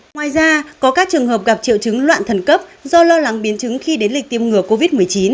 ngoài ra có các trường hợp gặp triệu chứng loạn thần cấp do lo lắng biến chứng khi đến lịch tiêm ngừa covid một mươi chín